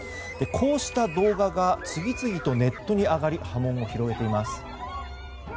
こうした動画が次々とネットに上がり波紋を広げています。